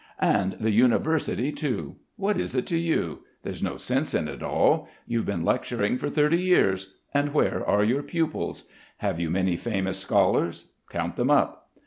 "And the University, too. What is it to you? There's no sense in it all. You've been lecturing for thirty years, and where are your pupils? Have you many famous scholars? Count them up.